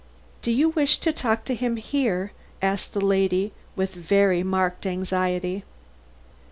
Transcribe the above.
"Do you wish to talk to him here?" asked that lady, with very marked anxiety.